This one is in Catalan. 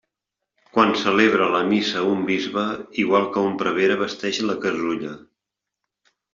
Quan celebra la Missa un bisbe, igual que un prevere vesteix la casulla.